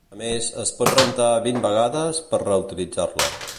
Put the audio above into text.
A més, es pot rentar vint vegades per reutilitzar-la.